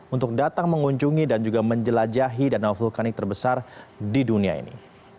untuk datang mengunjungi dan juga menjelajahi danau vulkanik terbesar di dunia ini